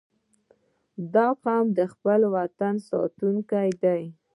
• دا قوم د خپل وطن ساتونکي دي.